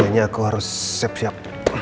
akhirnya aku harus siap siap